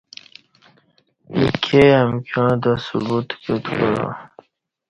ایکے امکیوں تہ ثبوت کیوت کعہ